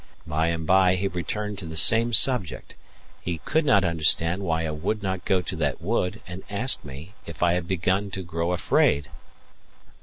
By and by he returned to the same subject: he could not understand why I would not go to that wood, and asked me if I had begun to grow afraid.